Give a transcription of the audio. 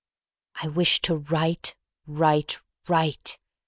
I wish to write, write, write!